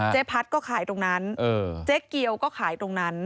พัฒน์ก็ขายตรงนั้นเจ๊เกียวก็ขายตรงนั้น